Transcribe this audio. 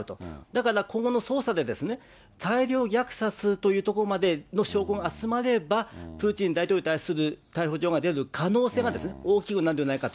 だから今後の捜査で、大量虐殺というところまでの証拠が集まれば、プーチン大統領に対する逮捕状が出る可能性が大きくなるのではな